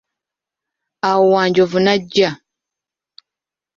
Awo Wanjovu najja.